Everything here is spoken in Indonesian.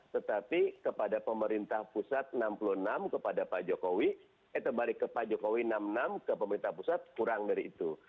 tetapi kepada pemerintah pusat enam puluh enam kepada pak jokowi eh terbalik ke pak jokowi enam puluh enam ke pemerintah pusat kurang dari itu